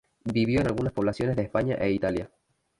Vivió en algunas poblaciones de España e Italia.